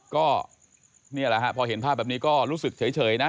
ก็นี่แหละฮะพอเห็นภาพแบบนี้ก็รู้สึกเฉยนะ